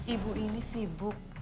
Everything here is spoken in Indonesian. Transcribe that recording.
ibu ini sibuk